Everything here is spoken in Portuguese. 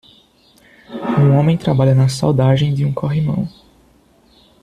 Um homem trabalha na soldagem de um corrimão.